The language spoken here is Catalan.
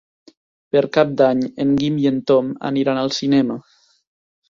Per Cap d'Any en Guim i en Tom aniran al cinema.